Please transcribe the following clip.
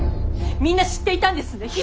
みんな知っていたんですね。